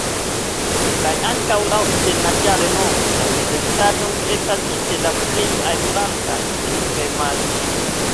Kaj ankaŭ laŭ internacia renomo la universitato estas inter la plej altrangaj en Germanio.